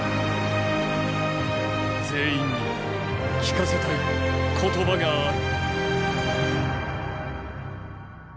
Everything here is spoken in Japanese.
⁉全員に聞かせたい言葉がある。